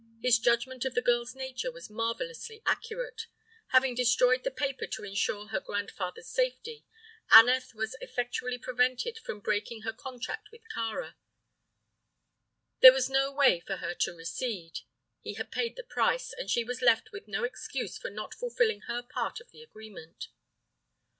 His judgment of the girl's nature was marvelously accurate. Having destroyed the paper to insure her grandfather's safety, Aneth was effectually prevented from breaking her contract with Kāra. There was no way for her to recede. He had paid the price, and she was left with no excuse for not fulfilling her part of the agreement.